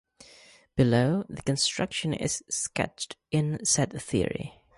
Below, this construction is sketched in set theory.